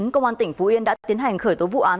công an tp yên đã tiến hành khởi tố vụ án